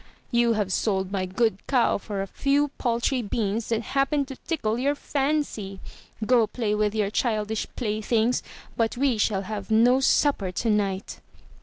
You have sold my good cow for a few paltry beans that happened to tickle your fancy. Go play with your childish playthings, but we shall have no supper tonight."